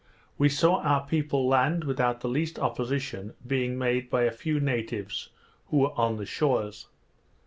We saw our people land without the least opposition being made by a few natives who were on the shores.